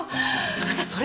あなたそれで？